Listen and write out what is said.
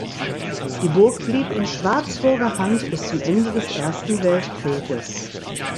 Die Burg blieb in Schwarzburger Hand bis zum Ende des Ersten Weltkrieges.